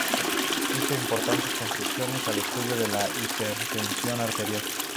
Hizo importantes contribuciones al estudio de la hipertensión arterial.